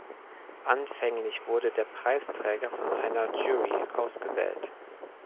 Anfänglich wurde der Preisträger von einer Jury ausgewählt.